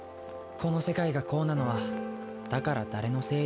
この世界がこうなのはだから誰のせいでもないんだ。